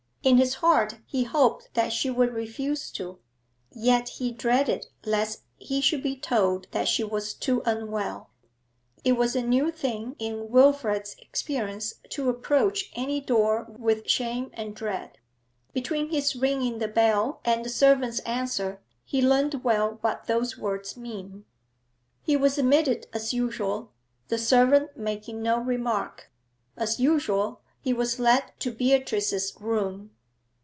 In his heart he hoped that she would refuse to; yet he dreaded lest he should be told that she was too unwell. It was a new thing in Wilfrid's experience to approach any door with shame and dread; between his ringing the bell and the servant's answer he learnt 'well what those words mean. He was admitted as usual, the servant making no remark. As usual, he was led to Beatrice's room.